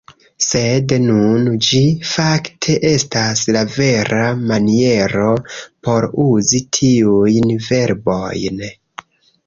Sed nun, ĝi fakte estas la vera maniero por uzi tiujn verbojn.